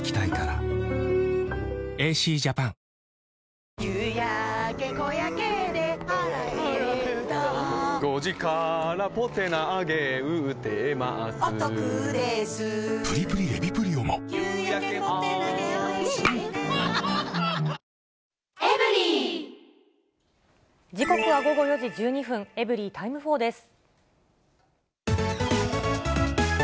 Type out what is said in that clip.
俺がこの役だったのに時刻は午後４時１２分、エブリィタイム４です。